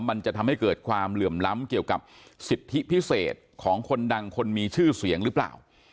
มันจะทำให้เกิดความเหลื่อมล้ำเกี่ยวกับสิทธิพิเศษของคนดังคนมีชื่อเสียงหรือเปล่า